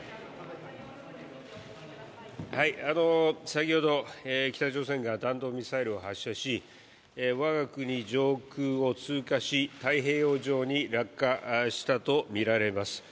先ほど北朝鮮が弾道ミサイルを発射し我が国上空を通過し太平洋上に落下したとみられます。